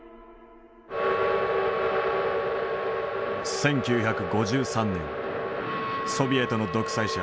１９５３年ソビエトの独裁者